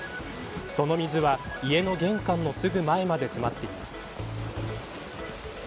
その水は家の玄関のすぐ前まで迫っています。